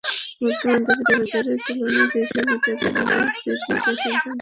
বর্তমানে আন্তর্জাতিক বাজারের তুলনায় দেশীয় বাজারে এলপিজি গ্যাসের দাম তুলনামূলকভাবে বেশি।